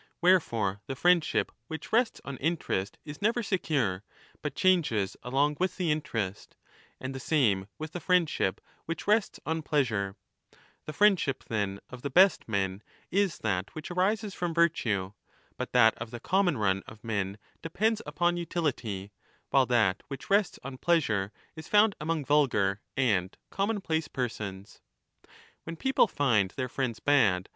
Wherefore the friendship which rests on interest is never secure, but changes along with the 15 interest ; and the same with the friendship which rests on pleasure. The friendship, then, of the best men is that which arises from virtue, but that of the common run of 37 1^ lo: d.E.E. lasS^ 30 1^14. 11 17: cf. ^.A'. Ii56''7 I2. BOOK II. II 1209' men depends upon utility, while that which rests on pleasure is found among vulgar and commonplace persons. When people find their friends bad.